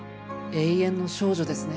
永遠の少女ですね